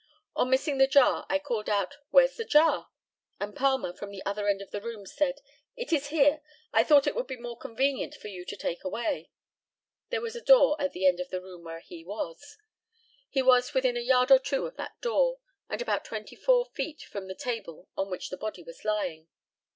On missing the jar I called out, "Where's the jar?" and Palmer, from the other end of the room, said, "It is here; I thought it would be more convenient for you to take away." There was a door at the end of the room where he was. He was within a yard or two of that door, and about 24 feet from the table on which the body was lying.